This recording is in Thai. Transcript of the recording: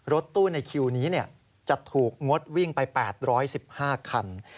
รถตู้ในคิวนี้จะถูกงดวิ่งไป๘๑๕คัน